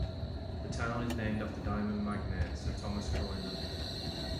The town is named after diamond magnate Sir Thomas Cullinan.